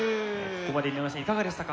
ここまで井上さんいかがでしたか？